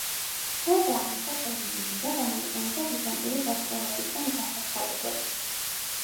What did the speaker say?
გარდა ამისა, ტერმინი „ჯუჯა“ გამოიყენება გიგანტური ვარსკვლავებისგან განსასხვავებლად.